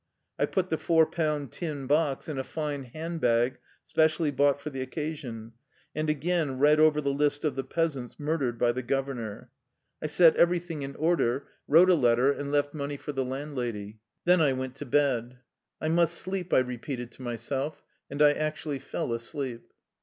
I put the four pound tin box in a fine hand bag specially bought for the occasion, and again read over the list of the peasants mur dered by the governor. I set everything in or 140 THE LIFE STOKY OF A KUSSIAN EXILE der, wrote a letter, and left money for the land lady. Then I went to bed. " I must sleep," I repeated to myself, and I actually fell asleep.